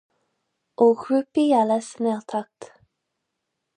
Ó ghrúpaí eile sa nGaeltacht.